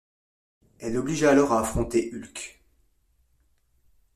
Elle l'obligea alors à affronter Hulk.